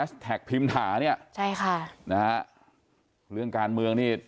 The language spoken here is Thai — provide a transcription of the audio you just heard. แอสแท็กพิมทาเนี้ยใช่ค่ะนะฮะเรื่องการเมืองนี่